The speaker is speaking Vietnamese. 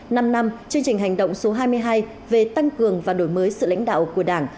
năm năm chương trình hành động số hai mươi hai về tăng cường và đổi mới sự lãnh đạo của đảng